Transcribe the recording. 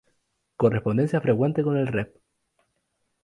Correspondencia frecuente con el Rev.